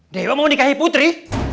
dewa mau nikahin putri